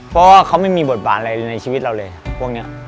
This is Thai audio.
เพราะว่าเขาไม่มีบทบาทอะไรในชีวิตเราเลยพวกนี้